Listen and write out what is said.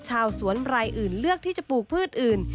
ชาวสวนรายอื่นเลือกที่จะปลูกพืชอื่น